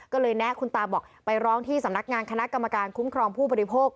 ก็เลยแนะคุณตาบอกไปร้องที่สำนักงานคณะกรรมการคุ้มครองผู้บริโภค